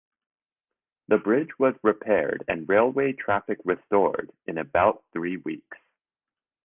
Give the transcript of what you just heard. The bridge was repaired and railway traffic restored in about three weeks.